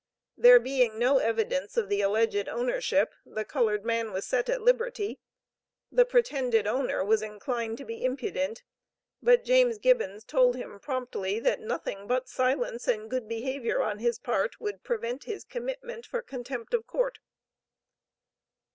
There being no evidence of the alleged ownership, the colored man was set at liberty. The pretended owner was inclined to be impudent; but James Gibbons told him promptly that nothing but silence and good behaviour on his part would prevent his commitment for contempt of court.